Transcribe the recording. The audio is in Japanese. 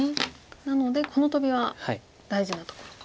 なのでこのトビは大事なところと。